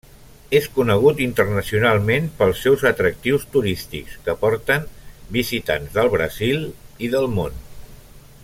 És conegut internacionalment pels seus atractius turístics, que porten visitants del Brasil i del món.